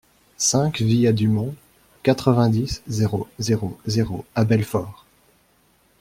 cinq via du Mont, quatre-vingt-dix, zéro zéro zéro à Belfort